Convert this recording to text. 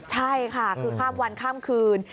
ใช่ค่ะคือข้ามวันข้ามคืน